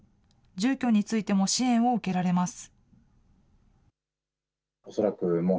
住居についても支援を受けられます。